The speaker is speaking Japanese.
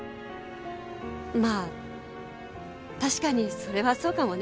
まあ確かにそれはそうかもね。